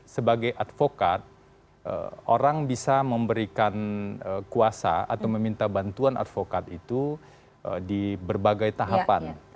sebagai advokat orang bisa memberikan kuasa atau meminta bantuan advokat itu di berbagai tahapan